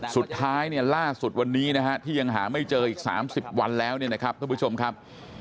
สุดท้ายล่าสุดวันนี้ที่ยังหาไม่เจออีก๓๐วันแล้วนะครับทุกผู้ชมครับ